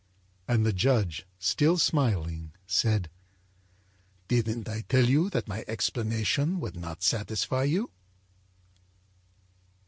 â And the judge, still smiling, said: âDidn't I tell you that my explanation would not satisfy you?